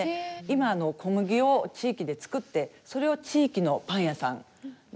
今小麦を地域で作ってそれを地域のパン屋さんで使うとか。